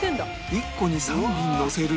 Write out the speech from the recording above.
１個に３尾のせる